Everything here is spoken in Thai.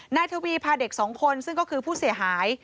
นายทวีพาเด็กสองคนซึ่งก็คือผู้เสียหาย